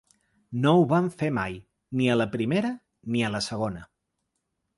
No ho vam fer mai, ni a la primera ni a la segona.